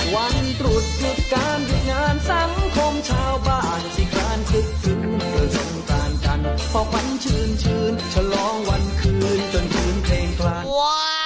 ว้าว